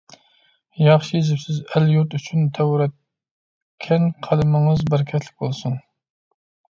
ياخشى يېزىپسىز. ئەل-يۇرت ئۈچۈن تەۋرەتكەن قەلىمىڭىز بەرىكەتلىك بولسۇن!